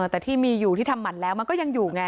แต่ที่มีอยู่ที่ทำหั่นแล้วมันก็ยังอยู่ไง